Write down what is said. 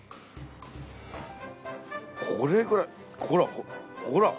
これぐらいほらほら。